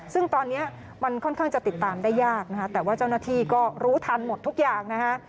ซึ่งตอนนี้มันค่อนข้างจะติดตามได้ยากนะฮะแต่ว่าเจ้าหน้าที่ก็รู้ทันหมดทุกอย่างนะฮะ